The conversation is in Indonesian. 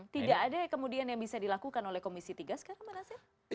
tidak ada kemudian yang bisa dilakukan oleh komisi tiga sekarang pak nasir